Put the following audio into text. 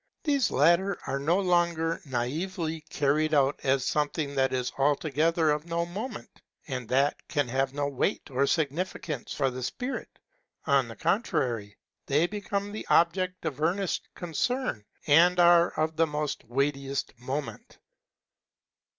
These latter are no longer naively carried out as something that is altogether 'of no moment, and that can have no weight or sig nificance for the spirit ; on the contrary, they become the object of earnest concern, and are of the very weightiest moment.